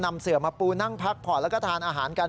นำเสือมาปูนั่งพักผ่อนแล้วก็ทานอาหารกัน